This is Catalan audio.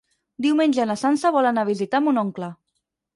Diumenge na Sança vol anar a visitar mon oncle.